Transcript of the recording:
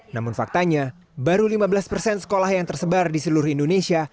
namun faktanya baru lima belas persen sekolah yang tersebar di seluruh indonesia